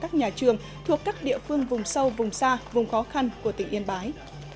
các nhà trường thuộc các địa phương vùng sâu vùng xa vùng khó khăn của tỉnh yên bái